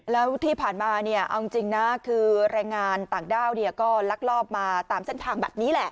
แล้วที่ผ่านมาเนี่ยเอาจริงนะคือแรงงานต่างด้าวก็ลักลอบมาตามเส้นทางแบบนี้แหละ